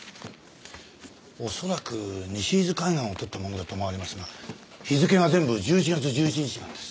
恐らく西伊豆海岸を撮ったものだと思われますが日付が全部１１月１１日なんです。